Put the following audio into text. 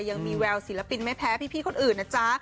ยังมีแววศิลปินไม่แพ้พี่คนอื่นนะจ๊ะ